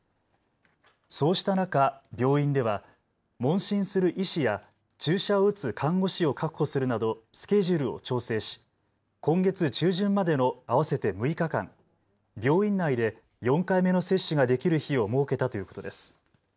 そうした中、病院では問診する医師や注射を打つ看護師を確保するなどスケジュールを調整し今月中旬までの合わせて６日間、病院内で４回目の接種ができる日を設けたということです。